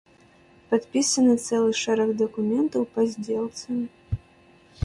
Падпісаны цэлы шэраг дакументаў па здзелцы.